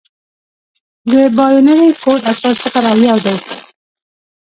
د بایونري کوډ اساس صفر او یو دي.